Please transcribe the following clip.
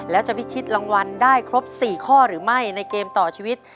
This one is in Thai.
แล้วจะพิชิตรางวัลได้ครบ๔ข้อหรือไม่ในเกมต่อชีวิต